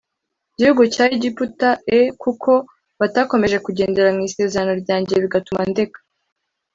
gihugu cya Egiputa e kuko batakomeje kugendera mu isezerano ryanjye bigatuma ndeka